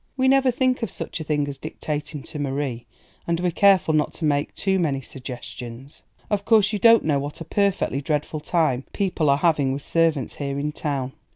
We never think of such a thing as dictating to Marie, and we're careful not to make too many suggestions. Of course you don't know what a perfectly dreadful time people are having with servants here in town.